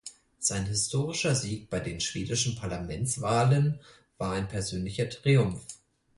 Sein historischer Sieg bei den schwedischen Parlamentswahlen war ein persönlicher Triumph.